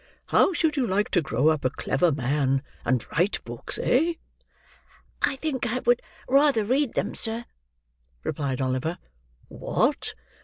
How should you like to grow up a clever man, and write books, eh?" "I think I would rather read them, sir," replied Oliver. "What!